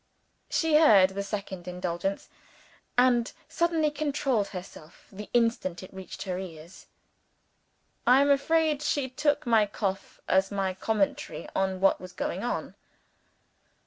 She heard the second indulgence and suddenly controlled herself, the instant it reached her ears. I am afraid she took my cough as my commentary on what was going on.